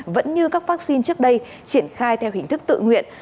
vẫn như các vaccine trước đây triển khai theo hình thức tự nguyện